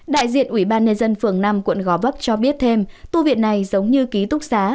đại diện ubnd phường năm quận gò vấp cho biết thêm tu viện này giống như ký túc xá